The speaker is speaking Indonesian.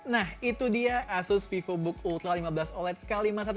nah itu dia asus vivobook ultra lima belas oled k lima ratus dua belas